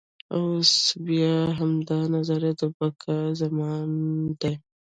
اوس بیا همدا نظریه د بقا ضامن دی.